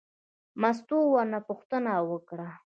مستو ورنه پوښتنه وکړه.